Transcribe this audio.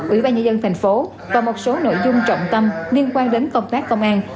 ủy ban nhà dân tp và một số nội dung trọng tâm liên quan đến công tác công an